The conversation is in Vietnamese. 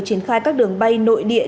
triển khai các đường bay nội địa